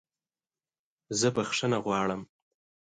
زه بخښنه غواړم!